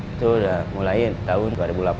itu udah mulai tahun dua ribu delapan dua ribu sembilan